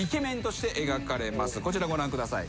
こちらご覧ください。